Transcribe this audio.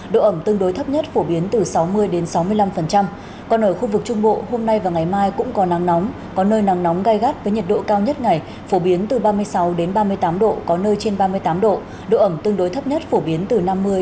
độ ẩm tương đối thấp nhất phổ biến từ sáu mươi sáu mươi năm còn ở khu vực trung bộ hôm nay và ngày mai cũng có nắng nóng có nơi nắng nóng gai gắt với nhiệt độ cao nhất ngày phổ biến từ ba mươi sáu ba mươi tám độ có nơi trên ba mươi tám độ độ ẩm tương đối thấp nhất phổ biến từ năm mươi năm mươi